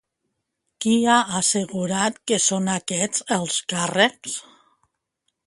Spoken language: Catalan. Qui ha assegurat que són aquests els càrrecs?